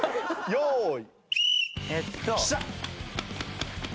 用意。